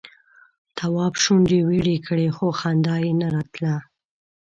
تواب شونډې ويړې کړې خو خندا یې نه راتله.